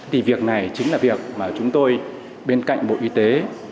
thì việc này chính là việc mà chúng tôi bên cạnh bộ y tế